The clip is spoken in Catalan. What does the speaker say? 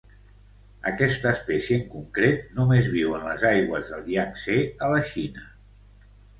Aquesta espècie en concret només viu en les aigües del Iang-Tsé, a la Xina.